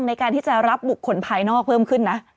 ในการที่จะรับบุคคลภายนอกเพิ่มขึ้นนะ